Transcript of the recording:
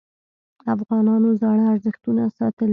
افغانانو زاړه ارزښتونه ساتلي.